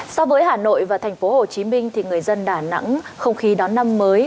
so với hà nội và thành phố hồ chí minh thì người dân đà nẵng không khí đón năm mới